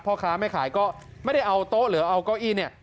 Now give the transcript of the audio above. พ่อค้าไม่ขายก็ไม่ได้เอาโต๊ะหรือเอาเก้าอี้เนี่ย